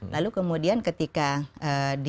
lalu kemudian ketika di